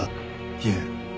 いえ。